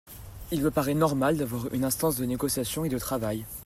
Il me paraît normal d’avoir une instance de négociation et de travail.